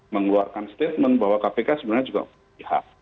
mengeluarkan statement bahwa kpk sebenarnya juga memiliki hak